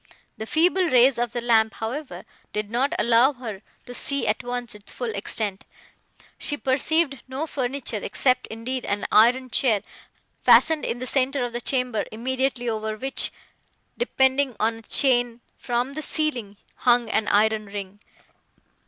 The feeble rays of the lamp, however, did not allow her to see at once its full extent; she perceived no furniture, except, indeed, an iron chair, fastened in the centre of the chamber, immediately over which, depending on a chain from the ceiling, hung an iron ring.